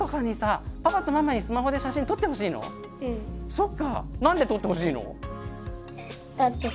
そっか何で撮ってほしいの？